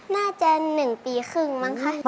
น่าจะ๑ปีครึ่งมั้งคะ